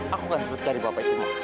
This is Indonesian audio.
aku kan harus cari bapak itu ma